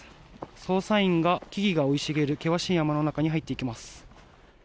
捜査員が、木々が生い茂る険しい山の中に入っていきます。